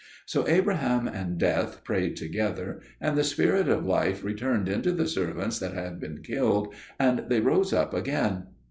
So Abraham and Death prayed together; and the spirit of life returned into the servants that had been killed, and they rose up again.